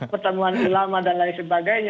pertemuan ulama dan lain sebagainya